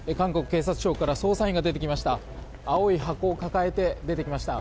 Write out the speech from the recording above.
警察庁から捜査員が出てきました。